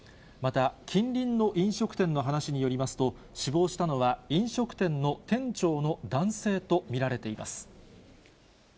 また、近隣の飲食店の話によりますと、死亡したのは、飲食店の店長の男性と見られています。